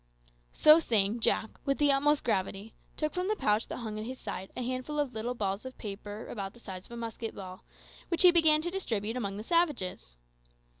So saying, Jack, with the utmost gravity, took from the pouch that hung at his side a handful of little balls of paper about the size of a musket bullet, which he began to distribute among the savages.